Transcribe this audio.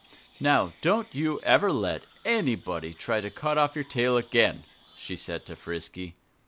"Now, don't you ever let anybody try to cut off your tail again," she said to Frisky.